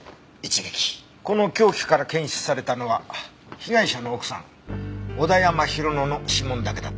この凶器から検出されたのは被害者の奥さん小田山浩乃の指紋だけだった。